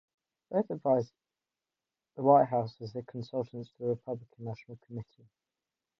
Both advise the White House as a consultants to the Republican National Committee.